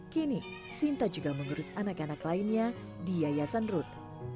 kini sinta juga mengurus anak anak lainnya di yayasan rut